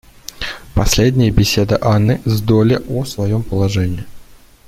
Последняя беседа Анны с Долли о своем положении.